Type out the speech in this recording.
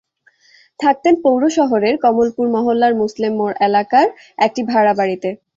থাকতেন পৌর শহরের কমলপুর মহল্লার মুসলেম মোড় এলাকার একটি ভাড়া বাড়িতে।